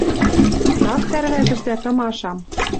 — Так тӓрвӓтӹшдӓ тымашам.